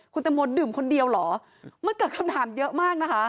คุณตังโมดื่มคนเดียวเหรอมันเกิดคำถามเยอะมากนะคะ